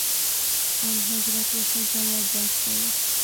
انحضرت ورته ځواب واستوه.